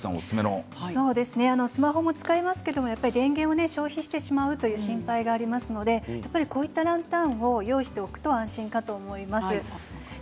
スマホも使いますけどやっぱり電源を消費してしまうという心配がありますのでこういったランタンを用意しておくと安心かと思います。